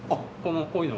こういうの。